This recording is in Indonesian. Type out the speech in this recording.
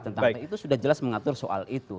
tentang itu sudah jelas mengatur soal itu